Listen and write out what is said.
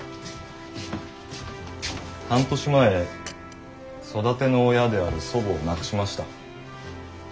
半年前育ての親である祖母を亡くしました。